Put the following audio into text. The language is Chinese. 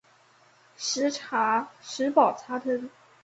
石宝茶藤